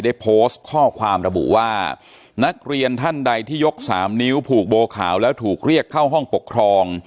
ได้โพสต์ข้อความระบุว่านักเรียนท่านใดที่ยกสามนิ้วผูกโบขาวแล้วถูกเรียกเข้าห้องปกครอง